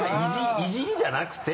イジりじゃなくて。